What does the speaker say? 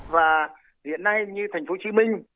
và hiện nay như thành phố hồ chí minh